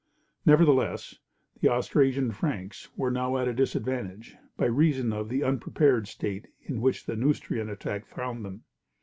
Nevertheless, the Austrasian Franks were now at a disadvantage, by reason of the unprepared state in which the Neustrian attack found them.